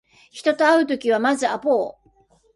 人に会うときはまずアポを